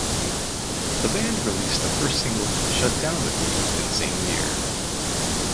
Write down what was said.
The band released the first single "Shut Down with Me" in the same year.